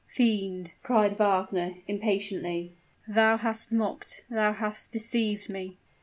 "Fiend!" cried Wagner, impatiently; "thou hast mocked thou hast deceived me!"